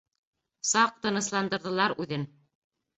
Саҡ тынысландырҙылар үҙен.